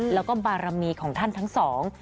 แล้วก็บารมีของท่านทั้งสอง